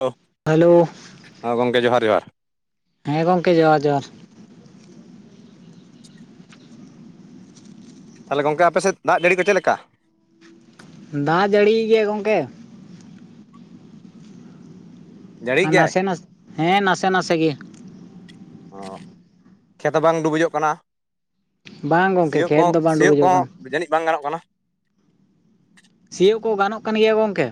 ᱚ᱾ ᱦᱮᱞᱳ᱾ ᱦᱮᱸ ᱜᱚᱝᱠᱮ ᱡᱚᱦᱟᱨ ᱡᱚᱦᱟᱨ᱾ ᱦᱮᱸ ᱜᱚᱝᱠᱮ ᱡᱚᱦᱟᱨ ᱡᱚᱦᱟᱨ᱾ ᱛᱟᱦᱚᱞᱮ ᱜᱚᱝᱠᱮ ᱟᱯᱮᱥᱮᱫ ᱫᱟᱜ ᱡᱟᱹᱲᱤ ᱠᱚ ᱪᱮᱫ ᱞᱮᱠᱟ? ᱫᱟᱜ ᱡᱟᱹᱲᱤᱭᱮᱜ ᱜᱮᱭᱟᱭ ᱜᱚᱝᱠᱮ᱾ ᱡᱟᱹᱲᱤ ᱟᱨ ᱜᱮᱭᱟᱭ ᱱᱟᱥᱮ ᱱᱟᱥᱮ ᱦᱮᱸ ᱱᱟᱥᱮ ᱱᱟᱥᱮ ᱜᱮ ᱚᱸ ᱠᱷᱮᱛ ᱦᱚᱸ ᱵᱟᱝ ᱰᱩᱵᱩᱡᱚᱜ ᱠᱟᱱᱟ ᱵᱟᱝ ᱜᱚᱢᱠᱮ ᱥᱤᱭᱳᱜ ᱠᱷᱮᱛ ᱠᱚᱦᱚᱸ ᱫᱚ ᱵᱟᱝ ᱥᱤᱭᱳᱜ ᱰᱩᱵᱩᱡᱚᱜ ᱠᱚᱦᱚᱸ ᱠᱟᱱᱟ ᱡᱟᱹᱱᱤᱡ ᱵᱟᱝ ᱜᱟᱱᱚᱜ ᱠᱟᱱᱟ? ᱥᱤᱭᱳᱜ ᱠᱚ ᱜᱟᱱᱚᱜ ᱠᱟᱱ ᱜᱮᱭᱟ ᱜᱚᱢᱠᱮ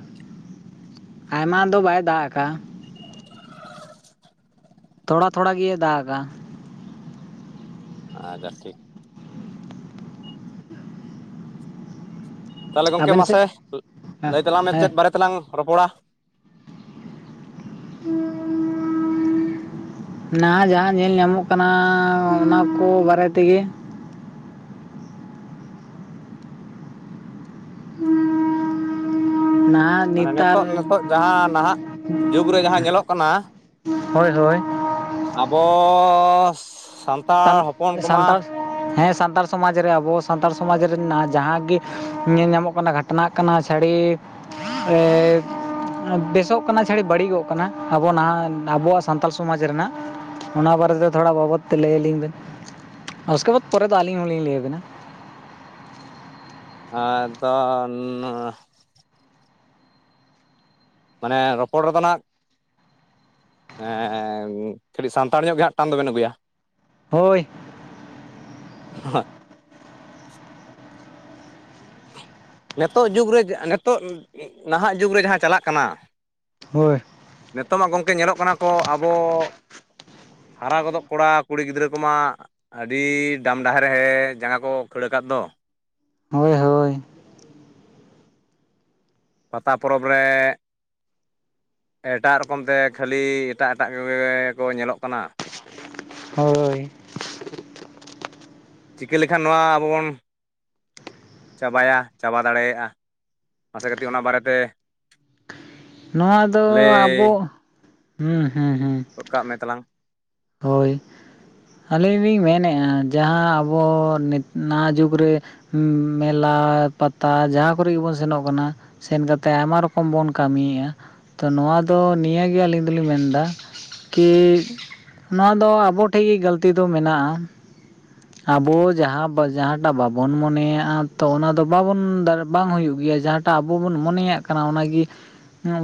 ᱟᱭᱢᱟ ᱫᱚ ᱵᱟᱭ ᱫᱟᱜ ᱟᱠᱟᱜ-ᱟ᱾ [inaudible] ᱛᱷᱚᱲᱟ ᱛᱷᱚᱲᱟ ᱜᱮᱫᱟᱜ ᱟᱠᱟᱫᱮᱭᱟ᱾ ᱟᱪᱪᱷᱟ ᱴᱷᱤᱠ ᱛᱟᱦᱚᱞᱮ ᱜᱚᱢᱠᱮ ᱟᱵᱮᱱ ᱥᱮᱫ ᱢᱟᱥᱮ ᱞᱟᱹᱭ ᱛᱟᱞᱟᱝ ᱢᱮ ᱦᱮᱸ ᱪᱮᱫ ᱵᱟᱨᱮ ᱛᱮᱞᱟᱝ ᱨᱚᱯᱚᱲᱟ [inaudible] ᱱᱟᱦᱟ ᱡᱟᱦᱟᱸ ᱧᱮᱞ ᱧᱟᱢᱚᱜ ᱠᱟᱱᱟ ᱚᱱᱟ ᱠᱚ ᱵᱟᱨᱮ ᱛᱮᱜᱮ᱾ ᱱᱟᱦᱟᱜ ᱢᱟᱱᱮ ᱱᱮᱛᱟᱨ ᱱᱤᱛᱳᱜ ᱱᱤᱛᱳᱜ ᱡᱟᱦᱟᱸ ᱱᱟᱦᱟᱜ ᱡᱩᱜᱽ ᱨᱮ ᱡᱟᱦᱟᱸ ᱧᱮᱞᱚᱜ ᱠᱟᱱᱟ ᱦᱳᱭ ᱦᱳᱭ ᱟᱵᱚ ᱥᱟᱱᱛᱟᱲ ᱥᱟᱱ ᱦᱚᱯᱚᱱ ᱠᱚᱢᱟ ᱥᱟᱱᱛᱟᱲ ᱦᱮᱸ ᱥᱟᱱᱛᱟᱲ ᱥᱚᱢᱟᱡᱽ ᱨᱮ ᱟᱵᱚ ᱥᱟᱱᱛᱟᱲ ᱥᱚᱢᱟᱡᱽ ᱨᱮᱱᱟᱜ ᱡᱟᱦᱟᱸ ᱜᱮ ᱧᱮᱞ ᱧᱟᱢᱚᱜ ᱠᱟᱱᱟ ᱜᱷᱟᱴ ᱚᱱᱟ ᱠᱟᱱᱟ ᱥᱟᱹᱲᱤᱯ ᱮᱸ ᱵᱮᱥᱚᱜ ᱠᱟᱱᱟ ᱪᱷᱟᱹᱲᱤ ᱵᱟᱹᱲᱤᱡᱚᱜ ᱠᱟᱱᱟ ᱟᱵᱚ ᱱᱟᱦᱟᱜ ᱟᱵᱚᱣᱟᱜ ᱥᱟᱱᱛᱟᱞ ᱥᱚᱢᱟᱡᱽ ᱨᱮᱱᱟᱜ ᱚᱱᱟ ᱵᱟᱨᱮᱛᱮ ᱫᱚ ᱛᱷᱚᱲᱟ ᱵᱟᱵᱚᱫ ᱛᱮ ᱞᱟᱹᱭ ᱟᱹᱞᱤᱧ ᱵᱮᱱ, ᱩᱥᱠᱮ ᱵᱟᱫᱽ ᱯᱚᱨᱮ ᱫᱚ ᱟᱹᱞᱤᱧ ᱦᱚᱸᱞᱤᱧ ᱞᱟᱹᱭᱟᱵᱮᱱᱟ ᱟᱫᱚ ᱱᱚᱭᱟ ᱢᱟᱱᱮ ᱨᱚᱯᱚᱲ ᱨᱮᱫᱚ ᱱᱟᱜ ᱮᱸ ᱠᱟᱹᱴᱤᱡ ᱥᱟᱱᱛᱟᱲ ᱧᱚᱜ ᱜᱮ ᱦᱟᱸᱜ ᱴᱟᱱ ᱫᱚᱵᱮᱱ ᱟᱹᱜᱩᱭᱟ? ᱦᱳᱭ ᱦᱳᱭ ᱱᱤᱛᱚᱜ ᱡᱩᱜᱽ ᱨᱮ ᱱᱤᱛᱚᱜ ᱱᱟᱦᱟᱜ ᱡᱩᱜᱽ ᱨᱮ ᱡᱟᱦᱟᱸ ᱪᱟᱞᱟᱜ ᱠᱟᱱᱟ ᱦᱳᱭ ᱱᱤᱛᱚᱜ ᱢᱟ ᱜᱚᱢᱠᱮ ᱧᱮᱞᱚᱜ ᱠᱟᱱᱟ ᱠᱚ ᱟᱵᱚ ᱦᱟᱨᱟ ᱜᱚᱫᱚᱜ ᱠᱚᱲᱟ ᱠᱩᱲᱤ ᱜᱤᱫᱽᱨᱟᱹ ᱠᱚᱢᱟ ᱟᱹᱰᱤ ᱰᱟᱢ ᱰᱟᱦᱟᱨ ᱨᱮ ᱡᱟᱸᱜᱟ ᱠᱚ ᱠᱷᱟᱹᱲ ᱟᱠᱟᱫ ᱫᱚ᱾ ᱦᱳᱭ ᱦᱳᱭ ᱯᱟᱛᱟ ᱯᱚᱨᱚᱵᱽ ᱨᱮ ᱮᱴᱟᱜ ᱨᱚᱠᱚᱢ ᱛᱮ ᱠᱷᱟᱹᱞᱤ ᱮᱴᱟᱜ ᱮᱴᱟᱜ ᱠᱚᱜᱮ ᱠᱚ ᱧᱮᱞᱚᱜ ᱠᱟᱱᱟ ᱦᱳᱭ ᱪᱤᱠᱟᱹ ᱞᱮᱠᱷᱟᱱ ᱱᱚᱣᱟ ᱟᱵᱚ ᱵᱚᱱ ᱪᱟᱵᱟᱭᱟ ᱪᱟᱵᱟ ᱫᱟᱲᱮᱭᱟᱜᱼᱟ ᱢᱟᱥᱮ ᱠᱟᱹᱴᱤᱡ ᱚᱱᱟ ᱵᱟᱨᱮᱛᱮ ᱱᱚᱣᱟ ᱫᱚ ᱟᱵᱚ ᱞᱟᱹᱭ ᱦᱩᱸ ᱦᱩᱸ ᱦᱩᱸ ᱨᱚᱲᱠᱟᱜ ᱢᱮ ᱛᱟᱞᱟᱝ ᱦᱳᱭ ᱟᱹᱞᱤᱧ ᱞᱤᱧ ᱢᱮᱱᱮᱜᱼᱟ ᱡᱟᱦᱟᱸ ᱟᱵᱚ ᱱᱤᱛ ᱱᱟᱜ ᱡᱩᱜᱽ ᱨᱮ ᱦᱩᱸ ᱢᱮᱞᱟ ᱯᱟᱛᱟ ᱡᱟᱦᱟᱸ ᱠᱚᱨᱮ ᱜᱮᱵᱚᱱ ᱥᱮᱱᱚᱜ ᱠᱟᱱᱟ ᱥᱮᱱ ᱠᱟᱛᱮᱫ ᱟᱭᱢᱟ ᱨᱚᱠᱚᱢ ᱵᱚᱱ ᱠᱟᱹᱢᱤᱭᱮᱜᱼᱟ ᱛᱚ ᱱᱚᱣᱟ ᱫᱚ ᱱᱤᱭᱟᱹᱜᱮ ᱟᱹᱞᱤᱧ ᱫᱚᱞᱤᱧ ᱢᱮᱱᱫᱟ ᱠᱤ ᱱᱚᱣᱟ ᱫᱚ ᱟᱵᱚ ᱴᱷᱮᱱ ᱜᱮ ᱜᱟᱹᱞᱛᱤ ᱫᱚ ᱢᱮᱱᱟᱜᱼᱟ᱾ [inaudible] ᱟᱵᱚ ᱡᱟᱦᱟᱸ ᱡᱟᱦᱟᱸᱴᱟᱜ ᱵᱟᱵᱚᱱ ᱢᱚᱱᱮᱭᱟᱜᱼᱟ ᱛᱚ ᱚᱱᱟ ᱫᱚ ᱵᱟᱵᱚᱱ ᱵᱟᱝ ᱦᱩᱭᱩᱜ ᱜᱮᱭᱟ ᱡᱟᱦᱟᱸ ᱴᱟᱜ ᱟᱵᱚ ᱵᱚᱱ ᱢᱚᱱᱮᱭᱟᱜ ᱠᱟᱱᱟ ᱚᱱᱟᱜᱮ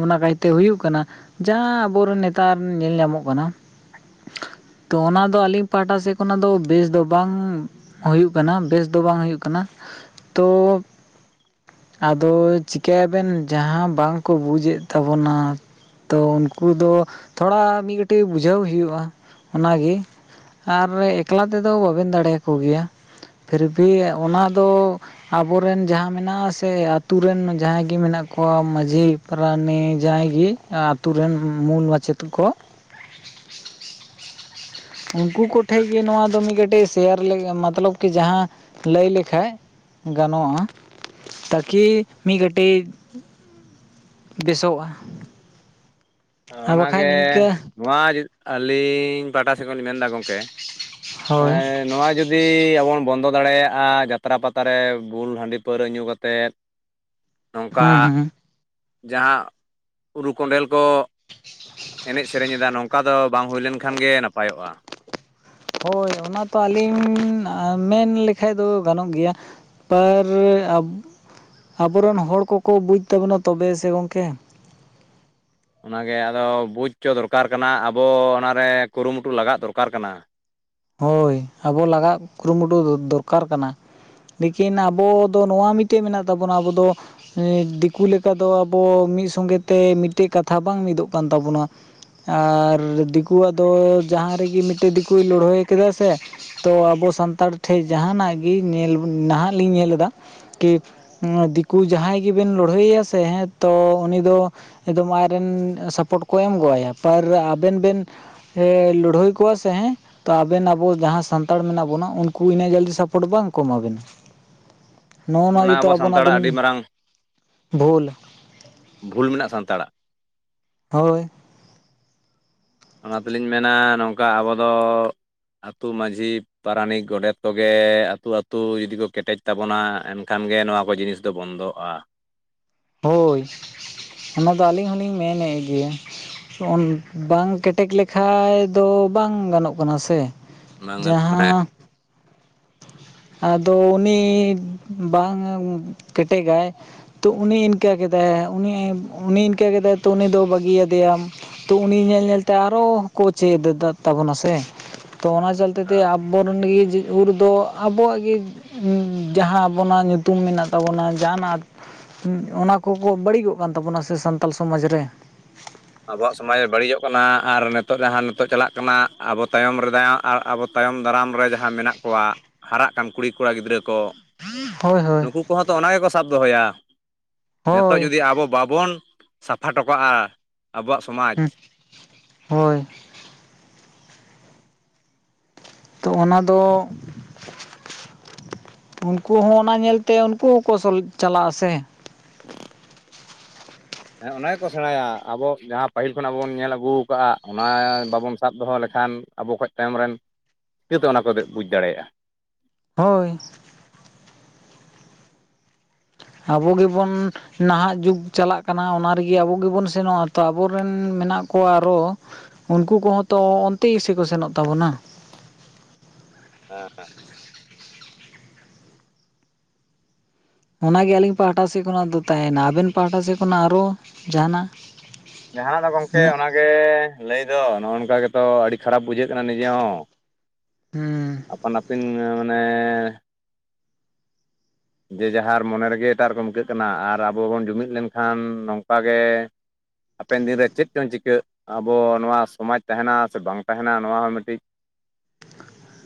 ᱚᱱᱟ ᱠᱟᱭᱛᱮ ᱦᱩᱭᱩᱜ ᱠᱟᱱᱟ ᱡᱟᱦᱟᱸ ᱟᱵᱚᱨᱮᱱ ᱱᱮᱛᱟᱨ ᱧᱮᱞ ᱧᱟᱢᱚᱜ ᱠᱟᱱᱟ ᱛᱚ ᱚᱱᱟᱫᱚ ᱟᱹᱞᱤᱧ ᱯᱟᱦᱟᱴᱟ ᱥᱮᱫ ᱠᱷᱚᱱᱟᱜ ᱫᱚ ᱵᱮᱥ ᱫᱚ ᱵᱟᱝ ᱦᱩᱭᱩᱜ ᱠᱟᱱᱟ ᱵᱮᱥ ᱫᱚ ᱵᱟᱝ ᱦᱩᱭᱩᱜ ᱠᱟᱱᱟ ᱛᱳ ᱟᱫᱚ ᱪᱤᱠᱟᱹᱭ ᱟᱵᱮᱱ ᱡᱟᱦᱟᱸ ᱵᱟᱝᱠᱚ ᱵᱩᱡᱮᱫ ᱛᱟᱵᱚᱱᱟ ᱛᱚ ᱩᱱᱠᱩ ᱫᱚ ᱛᱷᱚᱲᱟ ᱢᱤᱫ ᱠᱟᱹᱴᱤᱡ ᱵᱩᱡᱷᱟᱹᱣ ᱦᱩᱭᱩᱜᱼᱟ ᱚᱱᱟᱜᱮ ᱟᱨ ᱮᱠᱞᱟ ᱛᱮᱫᱚ ᱵᱟᱵᱮᱱ ᱫᱟᱲᱮᱭᱟᱠᱚ ᱜᱮᱭᱟ ᱯᱷᱤᱨ ᱵᱷᱤ ᱚᱱᱟ ᱫᱚ ᱟᱵᱚᱨᱮᱱ ᱡᱟᱦᱟᱸ ᱢᱮᱱᱟᱜᱼᱟ ᱥᱮ ᱟᱹᱛᱩ ᱨᱮᱱ ᱡᱟᱦᱟᱸᱭ ᱜᱮ ᱢᱮᱱᱟᱜ ᱠᱚᱣᱟ ᱢᱟᱺᱡᱷᱤ ᱯᱨᱟᱱᱤᱠ ᱡᱟᱦᱟᱸᱭ ᱜᱮ ᱟᱛᱳ ᱨᱮᱱ ᱢᱩᱞ ᱢᱟᱪᱮᱫ ᱠᱚ ᱩᱱᱠᱩ ᱠᱚᱴᱷᱮᱡ ᱜᱮ ᱱᱚᱣᱟ ᱫᱚ ᱢᱤᱫ ᱴᱮᱥ ᱛᱮᱭᱟᱨ ᱞᱮ ᱢᱚᱛᱞᱚᱵ ᱠᱤ ᱡᱟᱦᱟᱸ ᱞᱟᱹᱭ ᱞᱮᱠᱷᱟ ᱜᱟᱱᱚᱜᱼᱟ ᱛᱟᱠᱤ ᱢᱤᱫ ᱠᱟᱴᱤᱡ ᱵᱮᱥᱚᱜᱼᱟ ᱟᱨ ᱚᱱᱟ ᱵᱟᱠᱷᱟᱡ ᱜᱮ ᱱᱤᱝᱠᱟᱹ ᱱᱚᱣᱟ ᱟᱹᱞᱤᱧ ᱯᱟᱦᱴᱟ ᱥᱮᱫ ᱠᱷᱚᱱ ᱞᱤᱧ ᱢᱮᱱᱫᱟ ᱜᱚᱝᱠᱮ ᱦᱳᱭ ᱱᱚᱣᱟ ᱡᱩᱫᱤ ᱡᱩᱫᱤ ᱟᱵᱚ ᱵᱚᱱ ᱵᱚᱱᱫᱚ ᱫᱟᱲᱮᱭᱟᱜᱼᱟ ᱡᱟᱛᱨᱟ ᱯᱟᱛᱟ ᱨᱮ ᱵᱩᱞ ᱦᱟᱺᱰᱤ ᱯᱟᱹᱣᱨᱟᱹ ᱧᱩ ᱠᱟᱛᱮᱫ ᱱᱚᱝᱠᱟ ᱦᱮᱸ ᱦᱮᱸ ᱡᱟᱦᱟᱸ ᱩᱨᱩ ᱠᱚᱸᱰᱮᱞ ᱠᱚ ᱮᱱᱮᱡ ᱥᱮᱨᱮᱧ ᱮᱫᱟ ᱱᱚᱝᱠᱟ ᱫᱚ ᱵᱟᱝ ᱦᱩᱭ ᱞᱮᱱᱠᱷᱟᱱ ᱜᱮ ᱱᱟᱯᱟᱭᱚᱜᱼᱟ᱾ ᱦᱳᱭ ᱚᱱᱟ ᱛᱚ ᱟᱹᱞᱤᱧ ᱢᱮᱱ ᱞᱮᱠᱷᱟᱡ ᱫᱚ ᱜᱟᱱᱚᱜ ᱜᱮᱭᱟ ᱯᱟᱨ ᱟᱵᱚ ᱨᱮᱱ ᱦᱚᱲ ᱠᱚᱠᱚ ᱵᱩᱡ ᱛᱟᱵᱚᱱᱟ ᱛᱚᱵᱮ ᱥᱮ ᱜᱚᱝᱠᱮ ᱚᱱᱟᱜᱮ ᱟᱫᱚ ᱵᱩᱡᱽ ᱦᱚᱪᱚ ᱫᱚᱨᱠᱟᱨ ᱠᱟᱱᱟ ᱟᱵᱚ ᱚᱱᱟᱨᱮ ᱠᱩᱨᱩᱢᱩᱴᱩ ᱞᱟᱜᱟᱜ ᱫᱚᱨᱠᱟᱨ ᱠᱟᱱᱟ ᱦᱳᱭ ᱟᱵᱚ ᱞᱟᱜᱟᱜ ᱠᱩᱨᱩᱢᱩᱴᱩ ᱫᱚᱨᱠᱟᱨ ᱠᱟᱱᱟ᱾ ᱞᱮᱠᱤᱱ ᱟᱵᱚ ᱫᱚ ᱱᱚᱣᱟ ᱢᱤᱫᱴᱮᱡ ᱢᱮᱱᱟᱜ ᱛᱟᱵᱚᱱᱟ ᱟᱵᱚ ᱫᱚ ᱫᱤᱠᱩ ᱞᱮᱠᱟ ᱫᱚ ᱟᱵᱚ ᱢᱤᱫ ᱥᱚᱝᱜᱮ ᱛᱮ ᱢᱤᱫᱴᱮᱡ ᱠᱟᱛᱷᱟ ᱵᱟᱝ ᱢᱤᱫᱚᱜ ᱠᱟᱱ ᱛᱟᱵᱳᱱᱟ ᱟᱨ ᱫᱤᱠᱩᱣᱟᱜ ᱫᱚ ᱡᱟᱦᱟᱸ ᱨᱮᱜᱮ ᱢᱤᱫᱴᱮᱱ ᱫᱤᱠᱩᱭ ᱞᱟᱹᱲᱦᱟᱹᱭ ᱠᱮᱫᱟ ᱥᱮ ᱛᱚ ᱟᱵᱚ ᱥᱟᱱᱛᱟᱲ ᱴᱷᱮᱱ ᱡᱟᱦᱟᱸᱱᱟᱸᱜ ᱜᱮ ᱧᱮᱞ ᱱᱟᱦᱟᱸᱜ ᱞᱤᱧ ᱧᱮᱞ ᱮᱫᱟ ᱠᱤ ᱫᱤᱠᱩ ᱡᱟᱦᱟᱸᱭ ᱜᱮᱵᱮᱱ ᱞᱟᱹᱲᱦᱟᱹᱭᱮᱭᱟ ᱥᱮ ᱦᱮᱸ ᱛᱚ ᱩᱱᱤ ᱫᱚ ᱮᱠᱫᱚᱢ ᱟᱡᱨᱮᱱ ᱥᱟᱯᱳᱴ ᱠᱚ ᱮᱢᱜᱚᱜᱟᱭᱟ ᱯᱟᱨ ᱟᱵᱮᱱ ᱵᱮᱱ ᱮ ᱞᱟᱹᱲᱦᱟᱹᱭ ᱠᱚᱣᱟ ᱥᱮ ᱛᱚ ᱟᱵᱮᱱ ᱟᱵᱚ ᱡᱟᱦᱟᱸᱭ ᱥᱟᱱᱛᱟᱲ ᱢᱮᱱᱟᱜ ᱵᱚᱱᱟ ᱩᱱᱠᱩ ᱩᱱᱟᱹᱜ ᱡᱟᱹᱫᱤ ᱥᱟᱯᱳᱴ ᱵᱟᱝ ᱠᱚ ᱮᱢᱟᱵᱮᱱᱟ ᱱᱚᱜᱼᱚ ᱱᱚᱣᱟ ᱚᱱᱟ ᱜᱮᱛᱚ ᱟᱵᱚ ᱟᱵᱚᱱᱟᱜ ᱥᱟᱱᱛᱟᱲᱟᱜ ᱫᱚᱢ ᱟᱹᱰᱤ ᱢᱟᱨᱟᱝ ᱵᱷᱩᱞ ᱵᱷᱩᱞ ᱢᱮᱱᱟᱜᱼᱟ ᱥᱟᱱᱛᱟᱲᱟᱜ ᱦᱳᱭ ᱚᱱᱟ ᱛᱮᱞᱤᱧ ᱢᱮᱱᱟ ᱱᱚᱝᱠᱟ ᱟᱵᱚ ᱟᱹᱛᱩ ᱢᱟᱺᱡᱷᱤ ᱯᱟᱨᱟᱱᱤᱠ ᱜᱚᱰᱮᱛ ᱠᱚᱜᱮ ᱟᱹᱛᱩ ᱟᱹᱛᱩ ᱡᱩᱫᱤ ᱠᱚ ᱠᱮᱴᱮᱡ ᱛᱟᱵᱚᱱᱟ ᱮᱱᱠᱷᱟᱱ ᱜᱮ ᱱᱚᱣᱟ ᱠᱚ ᱡᱤᱱᱤᱥ ᱛᱚ ᱵᱚᱱᱫᱚᱜᱼᱟ ᱦᱳᱭ ᱚᱱᱟᱫᱚ ᱟᱹᱞᱤᱧ ᱦᱚᱞᱤᱧ ᱢᱮᱱᱮ ᱜᱮᱭᱟ ᱵᱟᱝ ᱠᱮᱴᱮᱡ ᱞᱮᱠᱷᱟᱡ ᱫᱚ ᱵᱟᱝ ᱜᱟᱱᱚᱜ ᱠᱟᱱᱟ ᱥᱮ ᱵᱟᱝ ᱜᱟᱱᱭ [unintelligible] ᱡᱟᱦᱟᱸ ᱟᱫᱚ ᱩᱱᱤ ᱵᱟᱝ ᱠᱮᱴᱮᱜᱟᱭ ᱛᱚ ᱩᱱᱤ ᱤᱱᱠᱟᱹ ᱠᱮᱫᱟᱭ ᱩᱱᱤ ᱩᱱᱤ ᱤᱱᱠᱟᱹ ᱠᱮᱫᱟᱭ ᱛᱚ ᱩᱱᱤ ᱫᱚ ᱵᱟᱹᱜᱤᱭᱟᱫᱮᱭᱟ ᱛᱚ ᱩᱱᱤ ᱧᱮᱞ ᱧᱮᱞᱛᱮ ᱟᱨᱚ ᱠᱳ ᱪᱮᱫ ᱫᱟ ᱛᱟᱵᱚᱱᱟ ᱥᱮ ᱛᱚ ᱚᱱᱟ ᱪᱚᱞᱛᱤ ᱛᱮ ᱟᱵᱚ ᱨᱮᱱᱤᱡ ᱩᱨ ᱫᱚ ᱟᱵᱚᱣᱟᱜ ᱜᱤ ᱡᱟᱦᱟᱸ ᱟᱵᱚᱱᱟᱜ ᱧᱩᱛᱩᱢ ᱢᱮᱱᱟᱜ ᱛᱟᱵᱚᱱᱟ ᱡᱟᱦᱟᱸᱱᱟᱜ ᱚᱱᱟ ᱠᱚᱠᱚ ᱵᱟᱹᱲᱤᱡᱚᱜ ᱠᱟᱱ ᱛᱟᱵᱚᱱᱟ ᱥᱮ ᱥᱟᱱᱛᱟᱲ ᱥᱚᱢᱟᱡ ᱨᱮ ᱟᱵᱚᱣᱟᱜ ᱥᱚᱢᱟᱡ ᱵᱟᱹᱲᱤᱡᱚᱜ ᱠᱟᱱᱟ ᱟᱨ ᱱᱤᱛᱚᱜ ᱡᱟᱦᱟᱸ ᱱᱤᱛᱚᱜ ᱪᱟᱞᱟᱜ ᱠᱟᱱᱟ ᱟᱵᱚ ᱛᱟᱭᱚᱢ ᱨᱮᱫᱚᱟᱭ ᱟᱨ ᱟᱵᱚ ᱛᱟᱭᱚᱢ ᱫᱟᱨᱟᱢ ᱨᱮ ᱡᱟᱦᱟᱸ ᱢᱮᱱᱟᱜ ᱠᱚᱣᱟ ᱦᱟᱨᱟᱜ ᱠᱟᱱ ᱠᱩᱲᱤᱼ ᱠᱚᱲᱟ ᱜᱤᱫᱽᱨᱟᱹ ᱠᱚ ᱦᱳᱭ ᱦᱳᱭ ᱩᱱᱠᱩ ᱦᱚᱸᱛᱚ ᱚᱱᱟ ᱜᱮᱠᱚ ᱥᱟᱵ ᱫᱚᱦᱚᱭᱟ ᱱᱤᱛᱚᱜ ᱦᱳᱭ ᱡᱩᱫᱤ ᱟᱵᱚ ᱵᱟᱵᱚᱱ ᱥᱟᱯᱷᱟ ᱴᱚᱠᱟᱜᱼᱟ ᱟᱵᱚᱣᱟᱜ ᱥᱚᱢᱟᱡ ᱦᱳᱭ ᱛᱚ ᱚᱱᱟ ᱫᱚ ᱩᱱᱠᱩ ᱦᱚᱸ ᱚᱱᱟ ᱧᱮᱞᱛᱮ ᱩᱱᱠᱩ ᱦᱚᱸᱠᱚ ᱪᱟᱞᱟᱜᱼᱟ ᱥᱮ [inaudible] ᱦᱮᱸ ᱚᱱᱟ ᱜᱮᱠᱚ ᱥᱮᱬᱟᱭᱟ ᱟᱵᱚ ᱡᱟᱦᱟᱸ ᱯᱟᱹᱦᱤᱞ ᱠᱷᱚᱱᱟᱜ ᱵᱚᱱ ᱧᱮᱞ ᱟᱹᱜᱩ ᱟᱠᱟᱜᱼᱟ ᱚᱱᱟ ᱵᱟᱵᱚᱱ ᱥᱟᱵ ᱫᱚᱦᱚ ᱞᱮᱠᱷᱟᱱ ᱟᱵᱚ ᱠᱷᱚᱡ ᱛᱟᱭᱚᱢ ᱨᱮᱱ ᱪᱤᱠᱟᱹᱛᱮ ᱚᱱᱟ ᱠᱚᱫᱚᱭ ᱵᱩᱡᱽ ᱫᱟᱲᱮᱭᱟᱜᱼᱟ ᱦᱳᱭ ᱟᱵᱚ ᱜᱮᱵᱚᱱ ᱱᱟᱦᱟᱜ ᱡᱩᱜᱽ ᱪᱟᱞᱟᱜ ᱠᱟᱱᱟ ᱚᱱᱟ ᱨᱮᱜᱮ ᱟᱵᱚ ᱜᱮᱵᱚᱱ ᱥᱮᱱᱚᱜᱼᱟ ᱛᱚ ᱟᱵᱚᱨ ᱨᱮᱱ ᱢᱮᱱᱟᱜ ᱠᱚᱣᱟ ᱟᱨᱚ ᱩᱱᱠᱩ ᱠᱚᱦᱚᱸ ᱛᱚ ᱚᱱᱛᱮ ᱜᱮᱥᱤᱠᱚ ᱥᱮᱱᱚᱜ ᱛᱟᱵᱚᱱᱟ [inaudible] ᱚᱱᱟᱜᱮ ᱟᱹᱞᱤᱧ ᱯᱟᱦᱴᱟ ᱥᱮᱫ ᱠᱷᱚᱱᱟᱜ ᱫᱚ ᱛᱟᱦᱮᱱᱟ ᱟᱵᱮᱱ ᱯᱟᱦᱟᱴᱟ ᱥᱮᱫ ᱠᱷᱚᱱᱟᱜ ᱟᱨᱚ ᱡᱟᱦᱟᱱᱟᱜ ᱡᱟᱦᱱᱟᱜ ᱫᱚ ᱜᱚᱝᱠᱮ ᱢᱮᱱᱟᱜ ᱚᱱᱟᱜᱮ ᱞᱟᱹᱭ ᱫᱚ ᱱᱚᱜᱼᱚ ᱱᱚᱝᱠᱟ ᱜᱮᱛᱚ ᱟᱹᱰᱤ ᱠᱷᱟᱨᱟᱯ ᱵᱩᱡᱷᱟᱹᱜ ᱠᱟᱱᱟ [unintelligible] ᱱᱤᱡᱮ ᱦᱚᱸ ᱦᱩᱸ ᱟᱯᱟᱱᱯᱤᱱ ᱢᱟᱱᱮ [inaudible] ᱡᱮ ᱡᱟᱦᱟᱸᱨ ᱢᱚᱱᱮ ᱨᱮᱜᱮ ᱮᱴᱟᱜ ᱨᱚᱠᱚᱢ ᱟᱹᱠᱟᱹᱜ ᱠᱟᱱᱟ ᱟᱨ ᱟᱵᱚ ᱵᱚᱱ ᱡᱩᱢᱤᱫ ᱞᱮᱱᱠᱷᱟᱱ ᱱᱚᱝᱠᱟ ᱜᱮ ᱦᱟᱯᱮᱱ ᱫᱤᱱ ᱨᱮ ᱪᱮ ᱫᱚ ᱪᱤᱠᱟᱹᱜ ᱟᱵᱚ ᱱᱚᱣᱟ ᱥᱚᱢᱟᱡ ᱛᱟᱦᱮᱱᱟ ᱥᱮ ᱵᱟᱝ ᱛᱟᱦᱮᱱᱟ ᱱᱚᱣᱟ ᱦᱚᱸ ᱢᱤᱫᱴᱤᱡ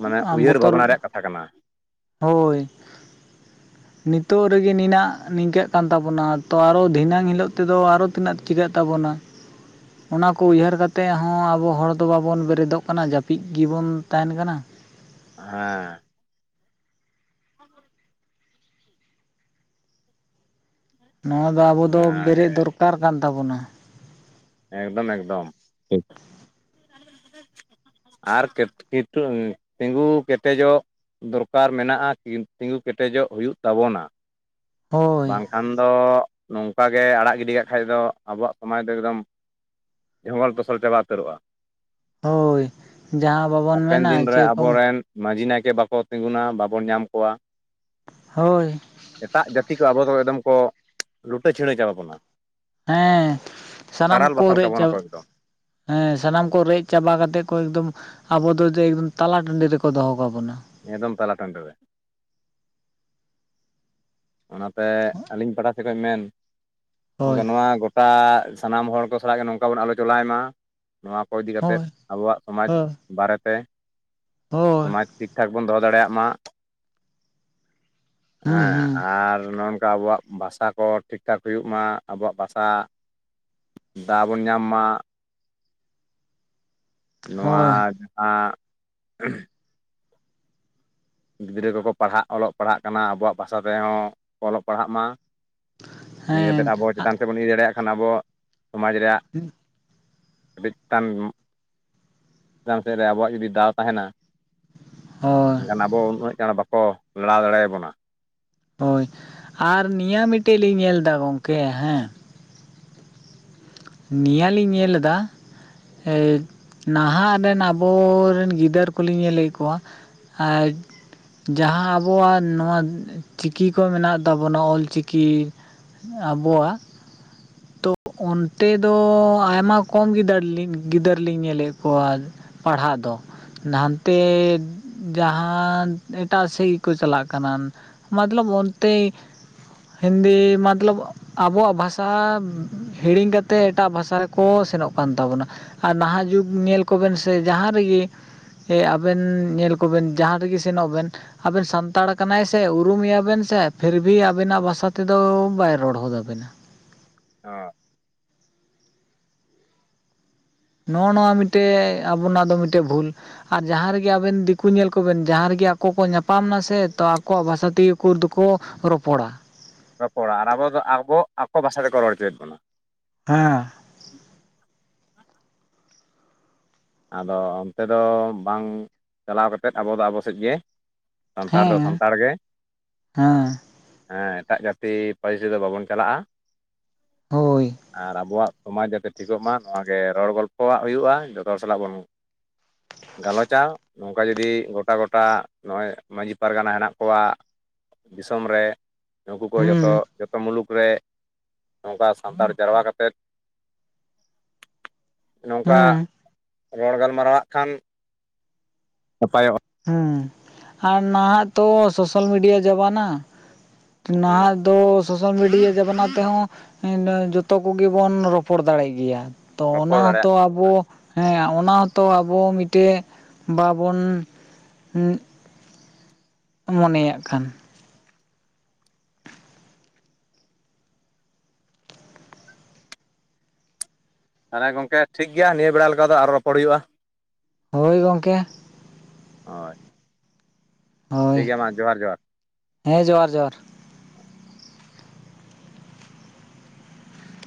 ᱢᱟᱱᱮ ᱟᱨ ᱩᱭᱦᱟᱹᱨ ᱵᱚᱛᱚᱨ ᱵᱷᱟᱵᱱᱟ ᱨᱮᱭᱟᱜ ᱠᱟᱛᱷᱟ ᱠᱟᱱᱟ ᱦᱳᱭ [inaudible] ᱱᱤᱛᱚᱜ ᱨᱮᱜᱮ ᱱᱤᱱᱟᱜ ᱱᱤᱝᱠᱟᱹᱜ ᱠᱟᱱ ᱛᱟᱵᱚᱱᱟ ᱛᱚ ᱟᱨᱚ ᱫᱷᱤᱱᱟᱹᱝ ᱦᱤᱞᱳᱜ ᱛᱮᱫᱚ ᱟᱨᱚ ᱤᱱᱟᱜ ᱪᱤᱠᱟᱹᱜ ᱛᱟᱵᱚᱱᱟ ᱚᱱᱟ ᱠᱚ ᱩᱭᱦᱟᱹᱨ ᱠᱟᱛᱮᱫ ᱦᱚᱸ ᱟᱵᱚ ᱦᱚᱲ ᱫᱚ ᱵᱟᱵᱚᱱ ᱵᱮᱨᱮᱫᱚᱜ ᱠᱟᱱᱟ ᱡᱟᱹᱯᱤᱫ ᱜᱮᱵᱚᱱ ᱛᱟᱦᱮᱱ ᱠᱟᱱᱟ ᱦᱟᱸᱻ [unintelligible] ᱱᱚᱣᱟ ᱫᱚ ᱟᱵᱚ ᱫᱚ ᱚᱱᱟᱜᱮ ᱵᱮᱨᱮᱫ ᱫᱚᱨᱠᱟᱨ ᱠᱟᱱ ᱛᱟᱵᱚᱱᱟ ᱮᱠᱫᱚᱢ ᱮᱠᱫᱚᱢ [inaudible] ᱟᱨ [unintelligible] ᱛᱤᱸᱜᱩ ᱠᱮᱴᱮᱡᱚᱜ ᱫᱚᱨᱠᱟᱨ ᱢᱮᱱᱟᱜᱼᱟ ᱛᱤᱸᱜᱩ ᱠᱮᱴᱮᱡᱚᱜ ᱦᱩᱭᱩᱜ ᱛᱟᱵᱚᱱᱟ ᱦᱳᱭ ᱠᱷᱟᱱ ᱫᱚ ᱱᱚᱝᱠᱟ ᱜᱮ ᱟᱲᱟᱜ ᱜᱤᱰᱤ ᱠᱟᱜ ᱠᱷᱟᱡ ᱫᱚ ᱟᱵᱚᱣᱟᱜ ᱥᱚᱢᱟᱡᱽ ᱫᱚ ᱮᱠᱫᱚᱢ ᱡᱷᱚᱝᱜᱚᱞ ᱴᱚᱥᱚᱞ ᱪᱟᱵᱟ ᱩᱛᱟᱹᱨᱚᱜᱼᱟ ᱦᱳᱭ ᱡᱟᱦᱟᱸ ᱵᱟᱵᱚᱱ ᱦᱟᱯᱮᱱ ᱢᱮᱱᱟ ᱫᱤᱱ ᱨᱮ [unintelligible] ᱟᱵᱚᱨᱮᱱ ᱢᱟᱺᱡᱷᱤ ᱱᱟᱭᱠᱮ ᱵᱟᱠᱚ ᱛᱤᱸᱜᱩᱱᱟ ᱵᱟᱵᱚᱱ ᱧᱟᱢ ᱠᱚᱣᱟ ᱦᱳᱭ ᱮᱴᱟᱜ ᱡᱟᱹᱛᱤ ᱠᱚ ᱟᱵᱚ ᱫᱚ ᱮᱠᱫᱚᱢ ᱠᱚ ᱞᱩᱴᱟᱹ ᱪᱷᱤᱲᱟᱹ ᱪᱟᱵᱟᱵᱚᱱᱟ ᱦᱮᱸ ᱥᱟᱱᱟᱢ ᱠᱚ ᱵᱟᱥᱟᱞ ᱨᱮᱡ ᱪᱟ ᱠᱟᱵᱚᱱᱟ ᱠᱚ ᱮᱠᱫᱚᱢ ᱦᱮᱸ ᱥᱟᱱᱟᱢ ᱠᱚ ᱨᱮᱡ ᱪᱟᱵᱟ ᱠᱟᱛᱮ ᱠᱚ ᱮᱠᱫᱚᱢ ᱟᱵᱚ ᱫᱚ ᱮᱠᱫᱚᱢ ᱛᱟᱞᱟ ᱴᱟᱺᱰᱤ ᱨᱮᱠᱚ ᱫᱚᱦᱚ ᱠᱟᱵᱚᱱᱟ ᱮᱫᱚᱢ ᱛᱟᱞᱟᱴᱟᱺᱰᱤ ᱨᱮ ᱚᱱᱟᱛᱮ ᱟᱹᱞᱤᱧ ᱯᱟᱦᱴᱟ ᱥᱮᱫ ᱠᱷᱚᱱ ᱢᱮᱱ ᱚᱱᱠᱟ ᱦᱳᱭ ᱱᱚᱣᱟ ᱚᱝᱠᱟ ᱥᱟᱱᱟᱢ ᱦᱚᱲ ᱠᱚ ᱥᱟᱞᱟᱜ ᱜᱮ ᱱᱚᱝᱠᱟ ᱵᱚᱱ ᱟᱞᱳᱪᱚᱱᱟᱭ ᱢᱟ ᱱᱚᱣᱟ ᱠᱚ ᱤᱫᱤ ᱠᱟᱛᱮᱫ ᱦᱳᱭ ᱟᱵᱚᱣᱟᱜ ᱥᱚᱢᱟᱡᱽ ᱦᱳᱭ ᱵᱟᱨᱮᱛᱮ ᱦᱳᱭ ᱥᱚᱢᱟᱡᱽ ᱴᱷᱟᱠ ᱵᱚᱱ ᱫᱚᱦᱚ ᱫᱟᱲᱮᱭᱟᱜ ᱢᱟ ᱦᱩᱸ ᱦᱮᱸ ᱦᱩᱸ ᱟᱨ ᱱᱚᱝᱠᱟ ᱟᱵᱚᱣᱟᱜ ᱵᱷᱟᱥᱟ ᱠᱚ ᱴᱷᱤᱠ ᱴᱷᱟᱠ ᱦᱩᱭᱩᱜ ᱢᱟ ᱟᱵᱚᱣᱟᱜ ᱵᱷᱟᱥᱟ ᱫᱟᱶ ᱵᱚᱱ ᱧᱟᱢ ᱢᱟ ᱱᱚᱣᱟ ᱦᱳᱭ ᱡᱟᱦᱟᱸ ᱜᱤᱫᱽᱨᱟᱹ ᱠᱚᱠᱚ ᱯᱟᱲᱦᱟᱜ ᱚᱞᱚᱜ ᱯᱟᱲᱦᱟᱜ ᱠᱟᱱᱟ ᱟᱵᱚᱣᱟᱜ ᱵᱷᱟᱥᱟ ᱛᱮᱦᱚᱸ ᱚᱞᱚᱜ ᱯᱟᱲᱦᱟᱜ ᱢᱟ ᱤᱭᱟᱹ ᱠᱟᱛᱮᱫ ᱦᱮᱸ ᱟᱵᱚ ᱪᱮᱛᱟᱱ ᱥᱮᱫ ᱵᱚᱱ ᱤᱫᱤ ᱫᱟᱲᱮᱭᱟᱜ ᱠᱷᱟᱱ ᱟᱵᱚ ᱥᱚᱢᱟᱡᱽ ᱨᱮᱭᱟᱜ ᱟᱹᱰᱤ ᱪᱮᱛᱟᱱ ᱪᱮᱛᱟᱱ ᱥᱮᱫ ᱨᱮ ᱟᱵᱚᱣᱟᱜ ᱡᱩᱫᱤ ᱫᱟᱣ ᱛᱟᱦᱮᱱᱟ ᱦᱳᱭ ᱮᱠᱷᱟᱱ ᱟᱵᱚ ᱩᱱᱟᱹᱜ ᱪᱟᱬ ᱵᱟᱠᱚ ᱞᱟᱲᱟᱶ ᱫᱟᱲᱮᱭᱟᱵᱚᱱᱟ ᱦᱳᱭ ᱟᱨ ᱱᱤᱭᱟᱹ ᱢᱤᱴᱮᱡ ᱞᱤᱧ ᱧᱮᱞ ᱮᱫᱟ ᱜᱚᱝᱠᱮ ᱦᱮᱸ ᱱᱤᱭᱟᱹᱞᱤᱧ ᱧᱮᱞ ᱞᱮᱫᱟ, ᱦᱮᱸ ᱱᱟᱦᱟᱜ ᱨᱮᱱ ᱟᱵᱚᱨᱮᱱ ᱜᱤᱫᱟᱹᱨ ᱠᱚᱞᱤᱧ ᱧᱮᱞᱮᱫ ᱠᱚᱣᱟ, ᱟᱡᱽ ᱡᱟᱦᱟᱸ ᱟᱵᱚᱣᱟᱜ ᱱᱚᱣᱟ ᱪᱤᱠᱤ ᱠᱚ ᱢᱮᱱᱟᱜ ᱛᱟᱵᱚᱱᱟ, ᱚᱞ ᱪᱤᱠᱤ ᱟᱵᱚᱣᱟᱜ ᱛᱚ ᱚᱱ ᱱᱚᱛᱮ ᱫᱚ ᱟᱭᱢᱟ ᱠᱚᱢ ᱜᱤᱫᱟᱹᱨ ᱞᱤᱧ ᱜᱤᱫᱟᱹᱨ ᱞᱤᱧ ᱧᱮᱞᱮᱫ ᱠᱚᱣᱟ ᱯᱟᱲᱦᱟᱜ ᱫᱚ ᱱᱷᱟᱱᱛᱮ ᱡᱟᱦᱟᱸ ᱮᱴᱟᱜ ᱥᱮᱫ ᱜᱮᱠᱚ ᱪᱟᱞᱟᱜ ᱠᱟᱱᱟ ᱢᱚᱛᱞᱚᱵ ᱚᱱᱛᱮ ᱦᱤᱱᱫᱤ ᱢᱚᱛᱞᱚᱵ ᱟᱵᱚᱣᱟᱜ ᱵᱷᱟᱥᱟ ᱦᱤᱲᱤᱧ ᱠᱟᱛ ᱛᱮ ᱮᱴᱟᱜ ᱵᱷᱟᱥᱟ ᱨᱮᱠᱚ ᱥᱮᱱᱚᱜ ᱠᱟᱱ ᱛᱟᱵᱚᱱᱟ ᱟᱨ ᱱᱟᱦᱟᱜ, ᱡᱩᱜᱽ ᱧᱮᱞ ᱠᱚᱵᱮᱱ ᱥᱮ ᱡᱟᱦᱟᱸ ᱨᱮᱜᱮ ᱥᱮ ᱟᱵᱮᱱ ᱧᱮᱞ ᱠᱚᱵᱮᱱ ᱡᱟᱦᱟᱸ ᱨᱮᱜᱮ ᱥᱮᱱᱚᱜ ᱵᱮᱱ, ᱟᱵᱮᱱ ᱥᱟᱱᱛᱟᱲ ᱠᱟᱱᱟᱭ ᱥᱮ ᱩᱨᱩᱢᱮᱭᱟ ᱵᱮᱱ ᱥᱮ ᱯᱷᱤᱨᱵᱤ ᱟᱵᱮᱱᱟᱜ ᱵᱷᱟᱥᱟ ᱛᱮᱫᱚ ᱵᱟᱭ ᱨᱚᱲ ᱦᱚᱫᱟᱵᱤᱱᱟ ᱚ ᱱᱚᱜ-ᱚ ᱱᱚᱣᱟ ᱢᱤᱴᱮᱡ ᱟᱵᱚᱱᱟᱜ ᱫᱚ ᱢᱤᱴᱮᱡ ᱵᱷᱩᱞ ᱟᱨ ᱡᱟᱦᱟᱸ ᱨᱮᱜᱮ ᱟᱵᱮᱱ ᱫᱤᱠᱩ ᱧᱮᱞ ᱠᱚᱵᱮᱱ ᱡᱟᱦᱟᱸ ᱨᱮᱜᱮ ᱟᱠᱚ ᱠᱚ ᱧᱟᱯᱟᱢ ᱱᱟᱥᱮ ᱛᱚ ᱟᱠᱚᱣᱟᱜ ᱵᱷᱟᱥᱟ ᱛᱮᱜᱮ ᱠᱚ ᱫᱚᱠᱚ ᱨᱚᱯᱚᱲᱟ ᱨᱚᱯᱚᱲᱟ ᱟᱨ ᱟᱵᱚ ᱫᱚ ᱟᱵᱚ ᱟᱠᱚ ᱵᱷᱟᱥᱟ ᱛᱮᱠᱚ ᱨᱚᱲ ᱚᱪᱚᱭᱮᱫ ᱵᱚᱱᱟ᱾ ᱦᱮᱸ ᱟᱫᱚ ᱚᱱᱛᱮ ᱫᱚ ᱵᱟᱝ ᱪᱟᱞᱟᱣ ᱠᱟᱛᱮᱫ ᱟᱵᱚ ᱫᱚ ᱟᱵᱚ ᱥᱮᱫ ᱜᱮ ᱥᱟᱱᱛᱟᱲ ᱫᱚ ᱦᱮᱸ ᱥᱟᱱᱛᱟᱲ ᱜᱮ, ᱦᱮᱸ ᱦᱮᱸ ᱮᱴᱟᱜ ᱡᱟᱹᱛᱤ ᱯᱟᱹᱨᱤᱥ ᱫᱚ ᱵᱟᱵᱚᱱ ᱪᱟᱞᱟᱜᱼᱟ, ᱦᱳᱭ ᱟᱨ ᱟᱵᱚᱣᱟᱜ ᱥᱚᱢᱟᱡᱽ ᱡᱟᱛᱮ ᱴᱷᱤᱠᱚᱜ ᱢᱟ ᱱᱚᱣᱟ ᱜᱮ ᱨᱚᱲ ᱜᱚᱞᱯᱚᱣᱟᱜ ᱦᱩᱭᱩᱜᱼᱟ, ᱡᱷᱚᱛᱚ ᱦᱚᱲ ᱥᱟᱞᱟᱜ ᱵᱩᱱ ᱜᱟᱞᱚᱪᱟ ᱱᱚᱝᱠᱟ ᱡᱩᱫᱤ ᱜᱚᱴᱟ ᱜᱚᱴᱟ ᱱᱚᱜᱼᱚᱭ ᱢᱟᱺᱡᱷᱤ ᱯᱟᱨᱜᱟᱱᱟ ᱦᱮᱱᱟᱜ ᱠᱚᱣᱟ ᱫᱤᱥᱚᱢ ᱨᱮ ᱱᱩᱠᱩ ᱠᱚ ᱡᱷᱚᱛᱚ ᱦᱩᱸ ᱡᱷᱚᱛᱚ ᱢᱩᱞᱩᱠ ᱨᱮ ᱱᱚᱝᱠᱟ ᱥᱟᱱᱛᱟᱲ ᱡᱟᱨᱣᱟ ᱠᱟᱛᱮᱫ, ᱱᱚᱝᱠᱟ ᱦᱩᱸ ᱨᱚᱲ ᱜᱟᱞᱢᱟᱨᱟᱣᱟᱜ ᱠᱷᱟᱱ ᱱᱟᱯᱟᱭᱚᱜᱼᱟ ᱦᱩᱸ ᱟᱨ ᱱᱟᱦᱟᱜ ᱛᱚ ᱥᱳᱥᱟᱞ ᱢᱤᱰᱤᱭᱟ ᱡᱟᱵᱟᱱᱟ᱾ ᱦᱩᱸ ᱱᱟᱦᱟᱜ ᱫᱚ ᱥᱳᱥᱟᱞ ᱢᱤᱰᱤᱭᱟ ᱡᱟᱵᱟᱱᱟ ᱛᱮᱦᱚᱸ ᱮᱸᱫ ᱡᱚᱛᱚ ᱠᱚᱜᱮ ᱵᱚᱱ ᱨᱚᱯᱚᱲ ᱫᱟᱲᱮᱜ ᱜᱮᱭᱟ ᱾ ᱛᱚ ᱨᱚᱯᱚᱲ ᱚᱱᱟ ᱫᱟᱲᱮᱭᱟᱜ ᱦᱚᱛᱚ ᱟᱵᱚ ᱦᱮᱸ ᱚᱱᱟ ᱦᱚᱛᱚ ᱟᱵᱚ ᱢᱤᱫᱴᱮᱡ ᱵᱟᱵᱚᱱ ᱦᱩᱸᱜ ᱢᱚᱱᱮᱭᱟᱜ ᱠᱷᱟᱱ ᱛᱟᱦᱚᱞᱮᱸ ᱜᱚᱝᱠᱮ ᱴᱷᱤᱠ ᱜᱮᱭᱟ ᱱᱤᱭᱟᱹ ᱵᱮᱲᱟ ᱞᱮᱠᱟ ᱫᱚ ᱟᱨᱚ ᱨᱚᱯᱚᱲ ᱦᱩᱭᱩᱜᱼᱟ ᱾ ᱦᱳᱭ ᱜᱚᱝᱠᱮ ᱦᱚᱭ ᱦᱳᱭ ᱴᱷᱤᱠ ᱜᱮᱭᱟ ᱢᱟ ᱡᱚᱦᱟᱨ ᱡᱚᱦᱟᱨ᱾ ᱦᱮᱸ ᱡᱚᱦᱟᱨ ᱡᱚᱦᱟᱨ᱾